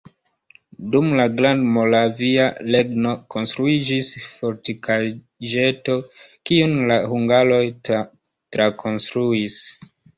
Dum la Grandmoravia regno konstruiĝis fortikaĵeto, kiun la hungaroj trakonstruis.